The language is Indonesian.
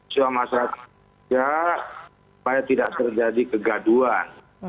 supaya tidak terjadi kegaduan